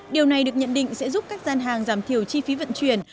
điều này được nhận định sẽ giúp các gian hàng giảm thiểu chi phí vận chuyển